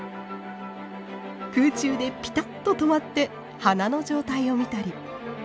空中でピタッと止まって花の状態を見たり。